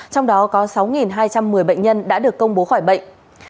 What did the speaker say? trong đó có sáu hai trăm một mươi bệnh nhân đã được công bố khỏi bệnh